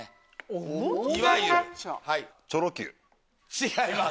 違います。